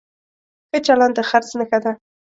ښه چلند د خرڅ نښه ده.